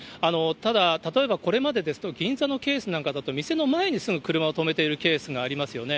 ただ、例えばこれまでですと、銀座のケースなんかだと、店の前にすぐ車を止めているケースがありますよね。